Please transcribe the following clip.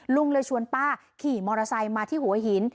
ลุงเลยชวนป้าขี่มอเตอร์ไซค์มาที่หัวหิน